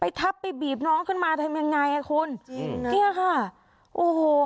ทับไปบีบน้องขึ้นมาทำยังไงอ่ะคุณจริงเนี่ยค่ะโอ้โห